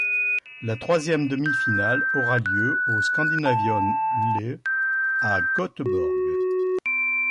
La troisième demi-finale aura lieu au Scandinavium le à Göteborg.